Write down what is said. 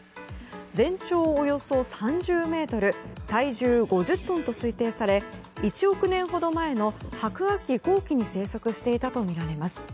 全長およそ３０ｍ体重５０トンと推定され１億年ほど前の白亜紀後期に生息していたとみられます。